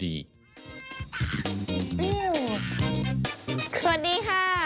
อื้อสวัสดีค่ะ